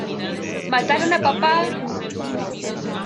Mataron a papá!".